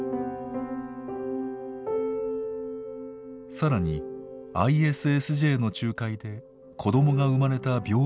更にＩＳＳＪの仲介で子どもが生まれた病院も訪問。